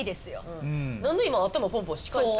うん何で今頭ポンポンし返した？